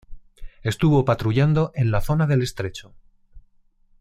Estuvo patrullando en la zona del estrecho.